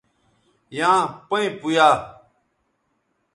یاں پیئں پویا